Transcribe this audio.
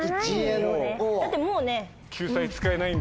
だってもうね。